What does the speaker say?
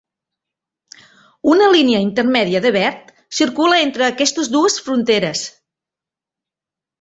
Una línia intermèdia de verd circula entre aquestes dues fronteres.